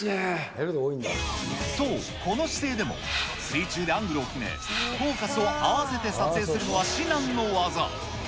そう、この姿勢でも、水中でアングルを決め、フォーカスを合わせて撮影するのは至難の業。